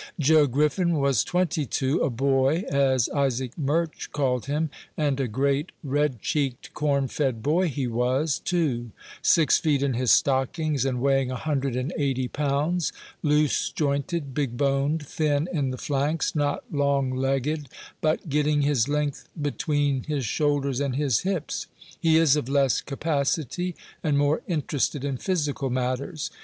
Joe Griffin was twenty two a boy, as Isaac Murch called him; and a great red cheeked, corn fed boy he was, too; six feet in his stockings, and weighing a hundred and eighty pounds; loose jointed, big boned, thin in the flanks, not long legged, but getting his length between his shoulders and his hips. He is of less capacity, and more interested in physical matters.